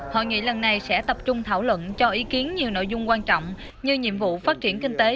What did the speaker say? hội nghị lần này sẽ tập trung thảo luận cho ý kiến nhiều nội dung quan trọng như nhiệm vụ phát triển kinh tế